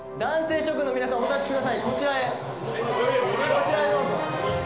こちらへどうぞ。